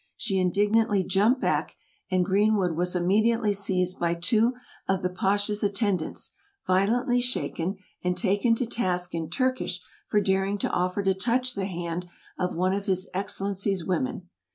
She indignantly jumped back, and Greenwood was immediately seized by two of the Pasha's attendants, violently shaken, and taken to task in Turkish for daring to offer to touch the hand of one of his Excellency's women.